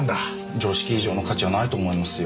常識以上の価値はないと思いますよ。